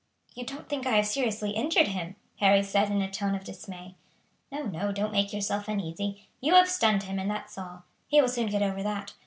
"You don't think I have seriously injured him?" Harry said in a tone of dismay. "No, no; don't make yourself uneasy. You have stunned him, and that's all; he will soon get over that.